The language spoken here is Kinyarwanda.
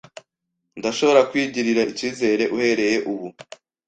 Ndashobora kwigirira icyizere uhereye ubu